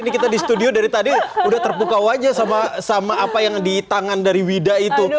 ini kita di studio dari tadi udah terpukau aja sama apa yang di tangan dari wida itu